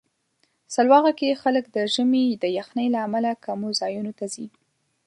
سلواغه کې خلک د ژمي د یخنۍ له امله کمو ځایونو ته ځي.